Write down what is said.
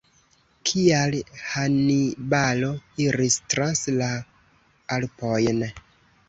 Kial Hanibalo iris trans la Alpojn?